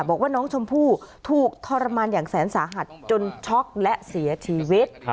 บอกว่าน้องชมพู่ถูกทรมานอย่างแสนสาหัสจนช็อกและเสียชีวิต